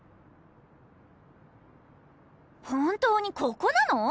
本当にここなの？